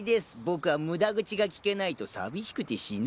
僕は無駄口が利けないと寂しくて死ぬのです。